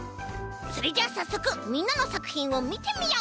それじゃあさっそくみんなのさくひんをみてみよう！